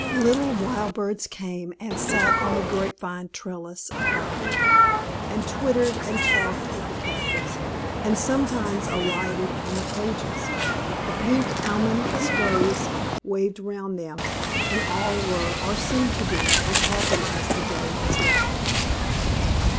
Little wild birds came and sat on the grapevine trellis above, and twittered and talked with the captives, and sometimes alighted on the cages; the pink almond sprays waved round them, and all were, or seemed to be, as happy as the day is long.